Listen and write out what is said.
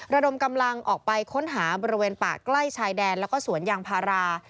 ระดมกำลังออกไปค้นหาบริเวณป่าใกล้ชายแดนแล้วก็สวนยางพารา